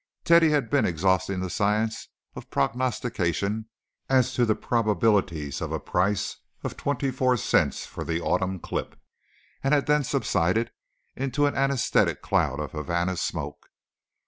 Teddy had been exhausting the science of prognostication as to the probabilities of a price of twenty four cents for the autumn clip, and had then subsided into an anesthetic cloud of Havana smoke.